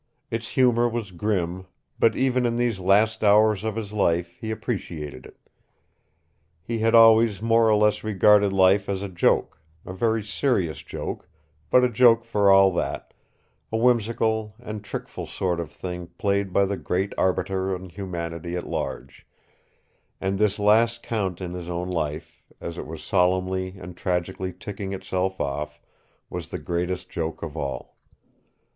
Its humor was grim, but even in these last hours of his life he appreciated it. He had always more or less regarded life as a joke a very serious joke, but a joke for all that a whimsical and trickful sort of thing played by the Great Arbiter on humanity at large; and this last count in his own life, as it was solemnly and tragically ticking itself off, was the greatest joke of all.